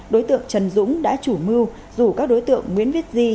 đối tượng trần dũng đã chủ mưu rủ các đối tượng nguyễn viết di